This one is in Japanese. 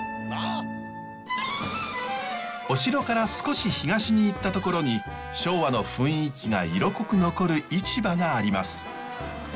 お城から少し東に行ったところに昭和の雰囲気が色濃く残る市場があります。